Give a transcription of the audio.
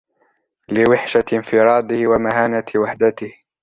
لِوَحْشَةِ انْفِرَادِهِ وَمَهَانَةِ وَحْدَتِهِ